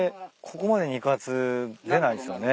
ここまで肉厚出ないっすよね。